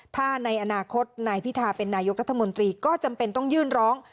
ถ้าในอนาคตนายพิธาเป็นนายกรัฐมนตรีก็จำเป็นต้องยื่นร้อง